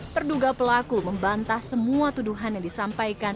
terduga pelaku membantah semua tuduhan yang disampaikan